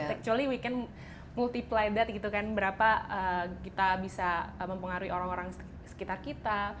actually we can multiply that gitu kan berapa kita bisa mempengaruhi orang orang sekitar kita